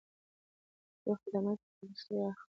توکي او خدمات په کرنسۍ اخلو.